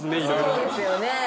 そうですよね。